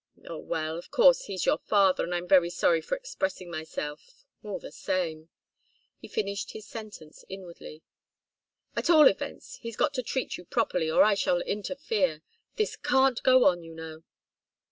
"Oh, well of course he's your father, and I'm very sorry for expressing myself all the same " he finished his sentence inwardly. "At all events, he's got to treat you properly, or I shall interfere. This can't go on, you know."